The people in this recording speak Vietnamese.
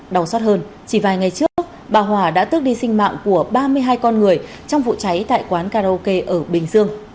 đau xót hơn chỉ vài ngày trước bà hòa đã tước đi sinh mạng của ba mươi hai con người trong vụ cháy tại quán karaoke ở bình dương